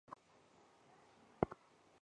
曾祖父胡通礼。